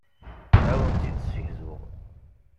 Ad awen-tt-id-ssegzuɣ.